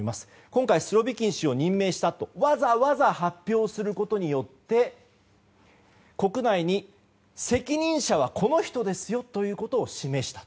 今回スロビキン氏を任命したとわざわざ発表することによって国内に責任者はこの人ですよということを示した。